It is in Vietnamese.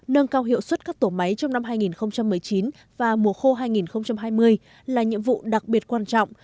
nâng cao hiệu suất các tổ máy trong năm hai nghìn một mươi chín và mùa khô hai nghìn hai mươi là nhiệm vụ đặc biệt quan trọng